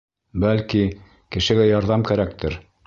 Бәлки, кешегә ярҙам кәрәктер.